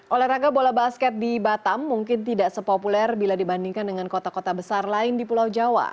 olahraga bola basket di batam mungkin tidak sepopuler bila dibandingkan dengan kota kota besar lain di pulau jawa